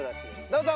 どうぞ！